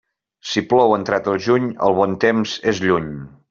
Si plou entrat el juny, el bon temps és lluny.